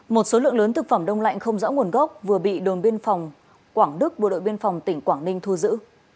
một số lượng lớn thực phẩm đông lạnh không rõ nguồn gốc vừa bị đồn biên phòng quảng đức bộ đội biên phòng tỉnh quảng ninh thu giữ